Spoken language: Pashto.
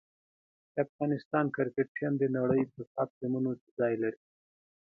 د افغانستان کرکټ ټیم د نړۍ په ټاپ ټیمونو کې ځای لري.